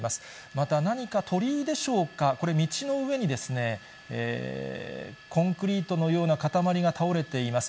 また、何か鳥居でしょうか、これ、道の上にコンクリートのようなかたまりが倒れています。